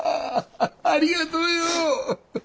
ありがとよ。